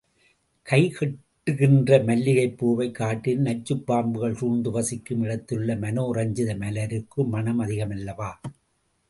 கைக்கெட்டுகின்ற மல்லிகைப்பூவைக் காட்டிலும் நச்சுப் பாம்புகள் சூழ்ந்து வசிக்கும் இடத்திலுள்ள மனோரஞ்சித மலருக்கு மணம் அதிகமல்லவா?